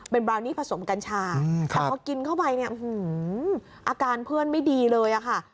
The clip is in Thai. เป็นบราวนี่ผสมกัญชาแต่พอกินเข้าไปเนี่ยอาการเพื่อนไม่ดีเลยอะค่ะ